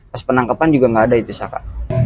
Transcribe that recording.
pas penangkapan juga nggak ada itu saka